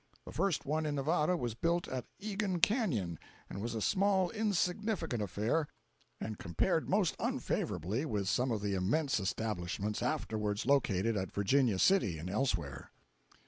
The first one in Nevada was built at Egan Canyon and was a small insignificant affair and compared most unfavorably with some of the immense establishments afterwards located at Virginia City and elsewhere.